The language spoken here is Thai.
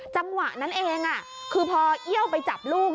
จังหวะนั้นเองคือพอเอี้ยวไปจับลูก